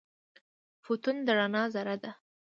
فوتون د رڼا ذره ده.